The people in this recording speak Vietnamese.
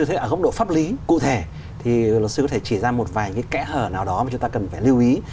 thế ở góc độ pháp lý cụ thể thì luật sư có thể chỉ ra một vài cái kẽ hở nào đó mà chúng ta cần phải lưu ý